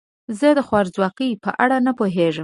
زه د خوارځواکۍ په اړه نه پوهیږم.